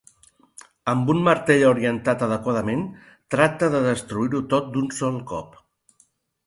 Amb un martell orientat adequadament, tracta de destruir-ho tot d'un sol cop.